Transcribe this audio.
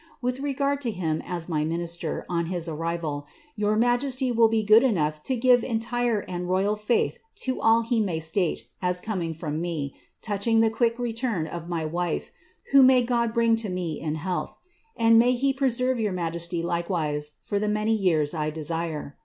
With regard to him as my minister, on his arrival, your majesty will enough to give entire and royal faith to all he may state as coming from :hing the quick return of my wife, who may God bring to me in health. if He preserve your majesty likewise, for the many years I desire.